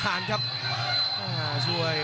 มังกรเขียวล็อกใน